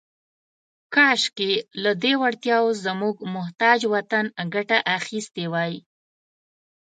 « کاشکې، لهٔ دې وړتیاوو زموږ محتاج وطن ګټه اخیستې وای. »